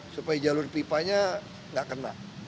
supaya jalur pipanya nggak kena